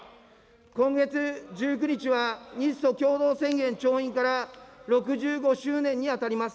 今月１９日は、日ソ共同宣言調印から６５周年に当たります。